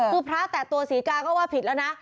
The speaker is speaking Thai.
คือพระแต่ตัวศรีกาก็ว่าผิดแล้วนะ